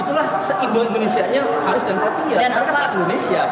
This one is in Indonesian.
itulah se indonesianya harus dan tetap juga